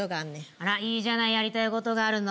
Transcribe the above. あらいいじゃないやりたいことがあるの？